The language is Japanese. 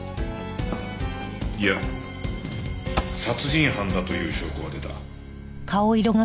いや殺人犯だという証拠が出た。